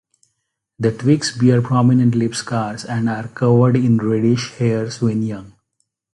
The twigs bear prominent leaf scars and are covered in reddish hairs when young.